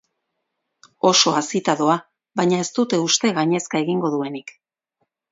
Oso hazita doa, baina ez dute uste gainezka egingo duenik.